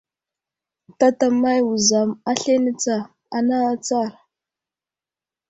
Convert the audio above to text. Tatamay wuzam aslane tsa ana atsar !